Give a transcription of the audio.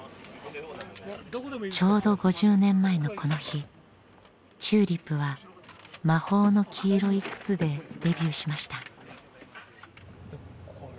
ちょうど５０年前のこの日ＴＵＬＩＰは「魔法の黄色い靴」でデビューしました。